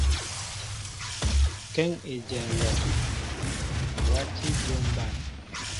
Kéŋ éjem alɔŋ wati dyȏm ɓăn.